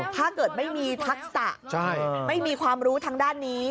ถ้าเกิดไม่มีทักษะไม่มีความรู้ทางด้านนี้